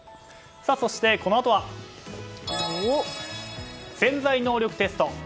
そして、このあとは「潜在能力テスト」。